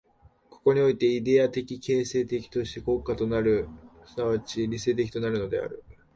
ここにおいてイデヤ的形成的として国家となる、即ち理性的となるのである。